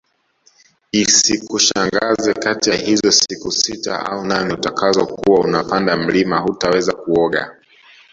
Isikushangaze kati ya hizo siku sita au nane utakazo kuwa unapanda mlima hutaweza kuoga